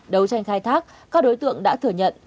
đấu tranh khai thác các đối tượng đã thừa nhận